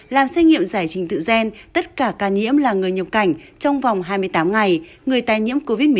làm xét nghiệm giải trình tự gen tất cả ca nhiễm là người nhập cảnh trong vòng hai mươi tám ngày người tài nhiễm covid một mươi chín